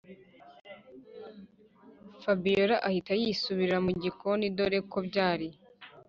fabiora ahita yisubirira mugikoni dore ko byari